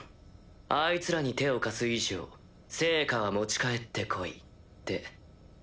「あいつらに手を貸す以上成果は持ち帰って来い」って。